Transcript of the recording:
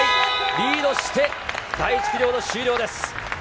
リードして第１ピリオド終了です。